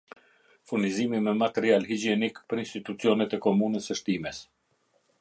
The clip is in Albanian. Furnizimi me material higjienik për institucionet e komunes së shtimes